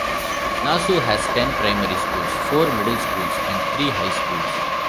Nasu has ten primary schools, four middle schools and three high schools.